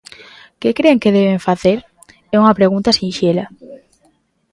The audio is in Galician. ¿Que cren que deben facer? É unha pregunta sinxela.